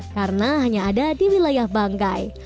karena hanya ada di wilayah banggai